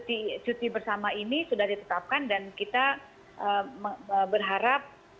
jadi memang cuti bersama ini sudah ditetapkan dan kita berharap